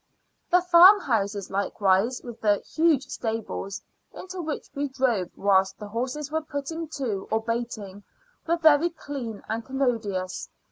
The farmhouses, likewise, with the huge stables, into which we drove whilst the horses were putting to or baiting, were very clean and commodious.